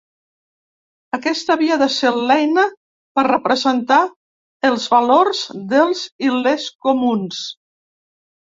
Aquesta havia de ser l’eina per representar els valors dels i les comuns.